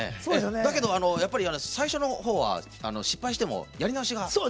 だけど、最初の方は失敗してもやり直しが。